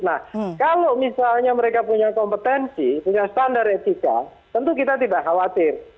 nah kalau misalnya mereka punya kompetensi punya standar etika tentu kita tidak khawatir